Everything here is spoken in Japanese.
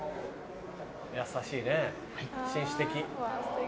優しいね紳士的。